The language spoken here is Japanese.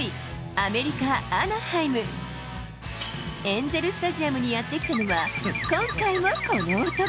エンゼル・スタジアムにやって来たのは、今回もこの男。